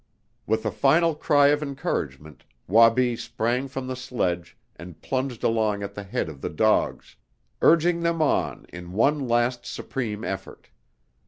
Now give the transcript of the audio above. With a final cry of encouragement Wabi sprang from the sledge and plunged along at the head of the dogs, urging them on in one last supreme effort.